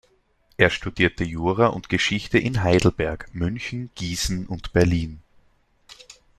Er studierte Jura und Geschichte in Heidelberg, München, Gießen und Berlin.